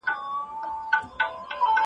پرشتو ته د خدای لخوا امر وسو.